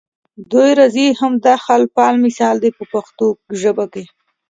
دوی راځي هم د حال فعل مثال دی په پښتو ژبه.